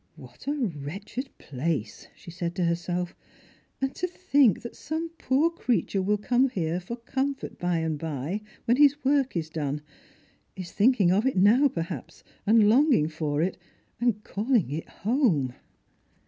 " What a wretched place !" she said to herself; " and to think that some poor creature will come here for comfort by and by when his work is done — is thinking of it now, perhaps, and longing for it, and calling it home."